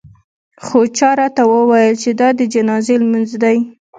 خو چا راته وویل چې دا د جنازې لمونځ دی.